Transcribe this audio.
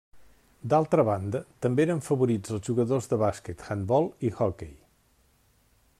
D'altra banda, també eren favorits els jugadors de bàsquet, handbol i hoquei.